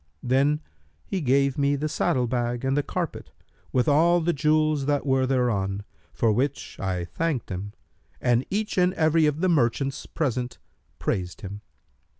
Then he gave me the saddle bag and the carpet, with all the jewels that were thereon, for which I thanked him, and each and every of the merchants present praised him.